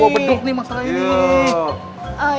gua beduk nih masalahnya ini